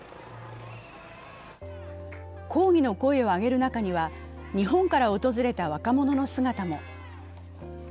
抗議の声を上げる中には日本から訪れた若者の姿も。